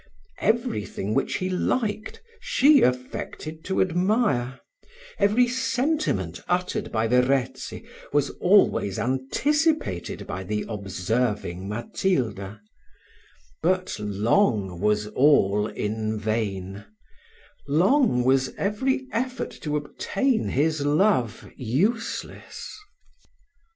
Every thing which he liked, she affected to admire: every sentiment uttered by Verezzi was always anticipated by the observing Matilda; but long was all in vain long was every effort to obtain his love useless.